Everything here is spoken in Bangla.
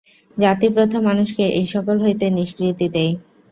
জাতিপ্রথা মানুষকে এই-সকল হইতে নিষ্কৃতি দেয়।